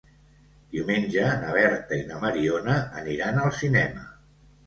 Diumenge na Berta i na Mariona aniran al cinema.